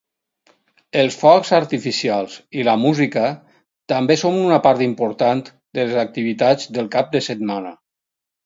Els focs artificials i la música també són una part important de les activitats del cap de setmana.